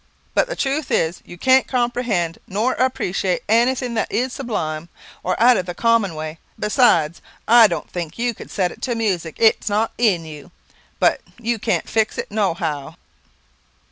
But the truth is, you can't comprehend nor appreciate anything that is sublime, or out of the common way. Besides, I don't think you could set it to music; it is not in you, and you can't fix it no how."